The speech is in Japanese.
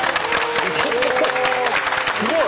すごい！